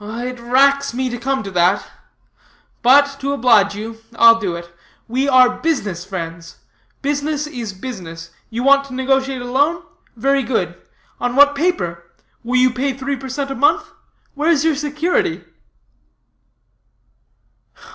"It racks me to come to that; but, to oblige you, I'll do it. We are business friends; business is business. You want to negotiate a loan. Very good. On what paper? Will you pay three per cent a month? Where is your security?"